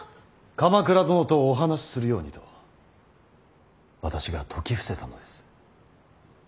鎌倉殿とお話しするようにと私が説き伏せたのです。